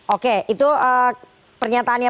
oke itu pernyataannya